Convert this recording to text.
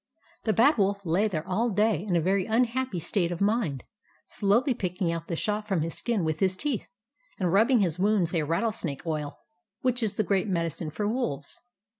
The Bad Wolf lay there all day in a very unhappy state of mind, slowly picking out the shot from his skin with his teeth, and rubbing his wounds with rattlesnake oil, which is the great medicine for wolves.